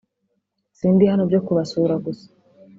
sindi hano byo kubasura gusa